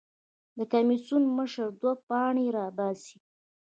د کمېسیون مشر دوه پاڼې راباسي.